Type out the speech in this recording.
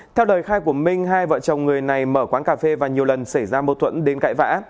theo lời khai của minh hai vợ chồng người này mở quán cà phê và nhiều lần xảy ra mâu thuẫn đến cãi vã